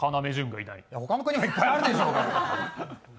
他の国もいっぱいあるでしょ。